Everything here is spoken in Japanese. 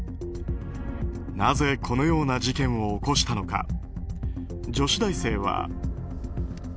なぜこのような事件を起こしたのか。